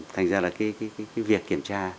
thành ra là cái việc kiểm tra